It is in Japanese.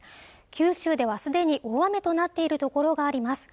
九州ではすでに大雨となっているところがあります